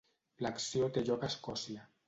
L'acció té lloc a Escòcia.